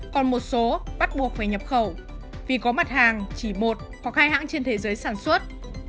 còn một số bắt buộc phải nhập khẩu vì có mặt hàng chỉ một hoặc hai hãng trên thế giới sản xuất